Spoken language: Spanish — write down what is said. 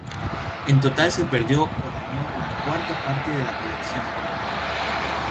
En total se perdió o dañó la cuarta parte de la colección.